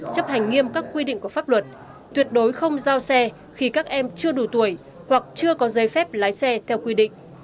chấp hành nghiêm các quy định của pháp luật tuyệt đối không giao xe khi các em chưa đủ tuổi hoặc chưa có giấy phép lái xe theo quy định